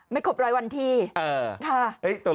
ไม่ครบร้อยวันทีแม่ได้ทำวันคือออกไปสำเนียงต้ายหน่อย